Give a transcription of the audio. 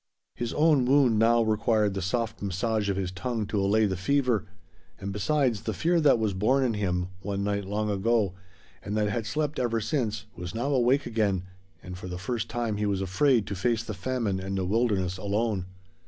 His own wound now required the soft massage of his tongue to allay the fever; and besides, the fear that was born in him, one night long ago, and that had slept ever since, was now awake again, and for the first time he was afraid to face the famine and the wilderness alone.